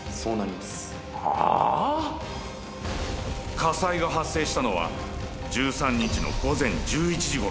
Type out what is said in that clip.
火災が発生したのは１３日の午前１１時ごろ。